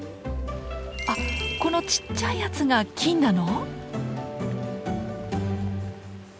あこのちっちゃいやつが金なの？